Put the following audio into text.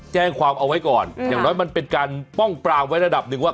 แจ้งความเอาไว้ก่อนอย่างน้อยมันเป็นการป้องปรามไว้ระดับหนึ่งว่า